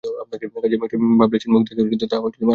কাজের মেয়েটির ভাবলেশহীন মুখ দেখে তা আরো বেড়ে যাচ্ছে।